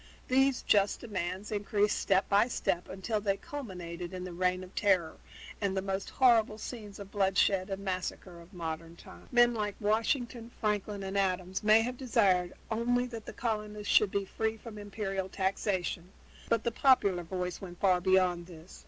These just demands increased step by step until they culminated in the Reign of Terror and the most horrible scenes of bloodshed and massacre of modern times. Men like Washington and Franklin and Adams may have desired only that the colonists should be free from imperial taxation, but the popular voice went far beyond this.